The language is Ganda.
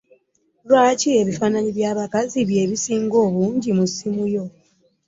Lwaki ebifaananyi by'abakazi bye bisinga obungi mu ssimu yo?